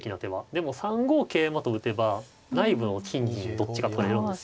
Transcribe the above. でも３五桂馬と打てば内部の金銀どっちか取れるんですよ。